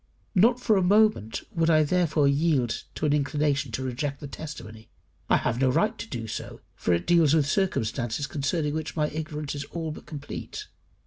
Not for a moment would I therefore yield to an inclination to reject the testimony. I have no right to do so, for it deals with circumstances concerning which my ignorance is all but complete.